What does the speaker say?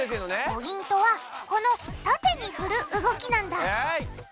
ポイントはこの縦に振る動きなんだ。